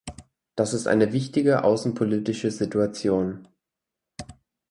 Das ist eine wichtige außenpolitische Situation.